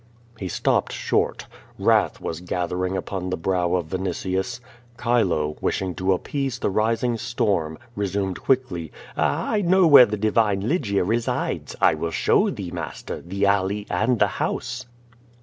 He stopped short. Wrath w.as gathering upon the brow of Vinitius. Chilo, wishing to appease the rising storm, re sumed quickly: "I know where the divine Lygia resides. I will sliow thee, master, the alley, and the house."